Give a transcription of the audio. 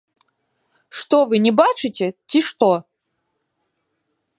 Што вы не бачыце, ці што?